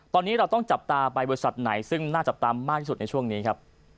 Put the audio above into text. ตอนนี้เราต้องจับตาไปบริษัทไหนซึ่งน่าจับตามากที่สุดในช่วงนี้ครับ